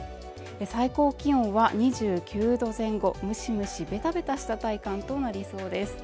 最高気温は２９度前後ムシムシベタベタした体感となりそうです。